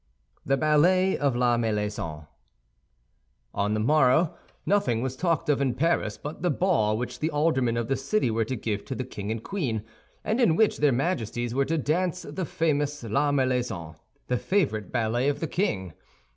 THE BALLET OF LA MERLAISON On the morrow, nothing was talked of in Paris but the ball which the aldermen of the city were to give to the king and queen, and in which their Majesties were to dance the famous La Merlaison—the favorite ballet of the king.